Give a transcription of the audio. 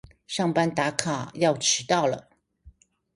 上班打卡要遲到了